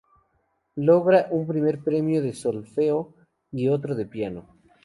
Logra un primer premio de solfeo y otro de piano.